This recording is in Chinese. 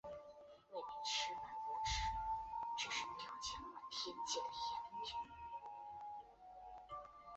秦岭北玄参为玄参科玄参属下的一个变种。